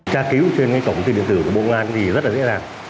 tra cứu trên cổng thông tin điện tử của bộ công an thì rất là dễ dàng